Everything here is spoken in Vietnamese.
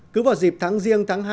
cứ vào dịp tháng riêng tháng hai